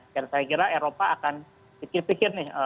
dan saya kira eropa akan pikir pikir nih